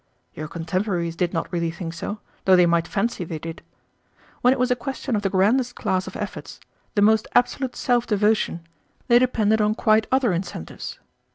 Your contemporaries did not really think so, though they might fancy they did. When it was a question of the grandest class of efforts, the most absolute self devotion, they depended on quite other incentives.